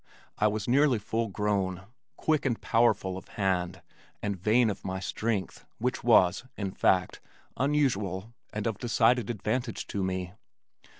I was nearly full grown, quick and powerful of hand, and vain of my strength, which was, in fact, unusual and of decided advantage to me.